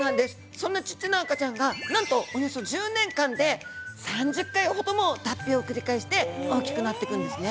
そんなちっちゃな赤ちゃんがなんとおよそ１０年間で３０回ほども脱皮を繰り返して大きくなっていくんですね。